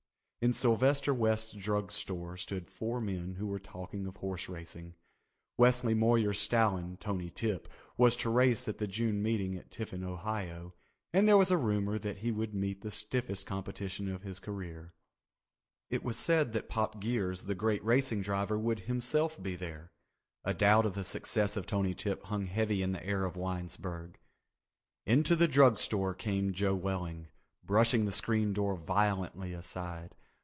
In Sylvester West's Drug Store stood four men who were talking of horse racing. Wesley Moyer's stallion, Tony Tip, was to race at the June meeting at Tiffin, Ohio, and there was a rumor that he would meet the stiffest competition of his career. It was said that Pop Geers, the great racing driver, would himself be there. A doubt of the success of Tony Tip hung heavy in the air of Winesburg. Into the drug store came Joe Welling, brushing the screen door violently aside.